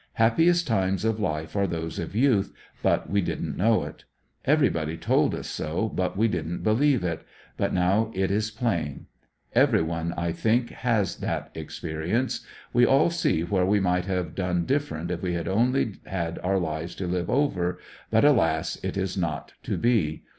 Happiest times of life are those of youth, but we didn't know it. Everybody told us so, but we didn't believe it; but now it is plain. Every one, I think, has that experience. We all see where we 134 ANDEBSONVILLE DIAR7. might have done different if we only had our lives to live over, but alas, it is not to be.